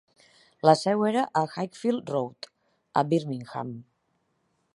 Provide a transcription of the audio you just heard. La seu era a Highfield Road, a Birmingham.